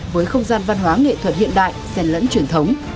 với không gian văn hóa nghệ thuật hiện đại xen lẫn truyền thống